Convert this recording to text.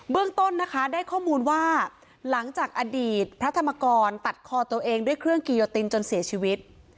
ต้นนะคะได้ข้อมูลว่าหลังจากอดีตพระธรรมกรตัดคอตัวเองด้วยเครื่องกีโยตินจนเสียชีวิต